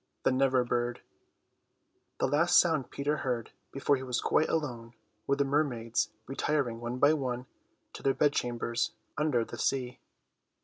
THE NEVER BIRD The last sound Peter heard before he was quite alone were the mermaids retiring one by one to their bedchambers under the sea.